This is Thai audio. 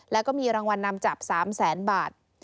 แล้วก็มีรางวัลนำจับ๓แสนบาท